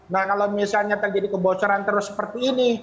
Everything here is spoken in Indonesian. nah kalau misalnya terjadi kebocoran terus seperti ini